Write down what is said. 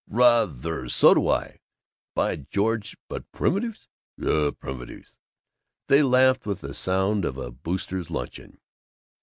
"Rather! So do I, by George! But primitives!" "Yuh! Primitives!" They laughed with the sound of a Boosters' luncheon.